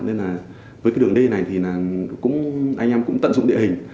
nên là với cái đường d này thì anh em cũng tận dụng địa hình